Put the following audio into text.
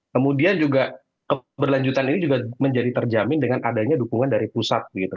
kemudian juga keberlanjutan ini juga menjadi terjamin dengan adanya dukungan dari pusat gitu